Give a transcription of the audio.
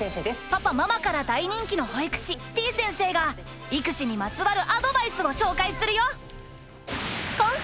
パパママから大人気の保育士てぃ先生が育児にまつわるアドバイスを紹介するよ！